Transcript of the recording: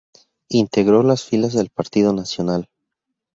Integró las filas del Partido Nacional.